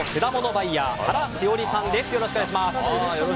バイヤー原詩織さんです。